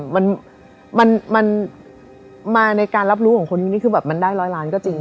มันมันมาในการรับรู้ของคนนี้คือแบบมันได้ร้อยล้านก็จริง